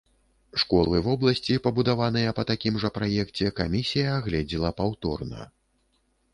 Школы вобласці, пабудаваныя па такім жа праекце, камісія агледзела паўторна.